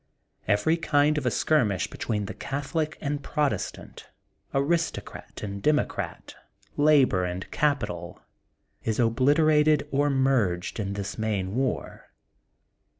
Every kind of a skirmish between Catholic and Protestant, aristocrat and demo crat, labor and capital, is obliterated or merged into this main war.